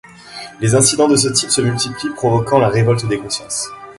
Les incidents de ce type se multiplient provoquant la révolte des consciences.